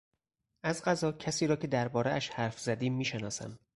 از قضا کسی را که دربارهاش حرف زدی میشناسم.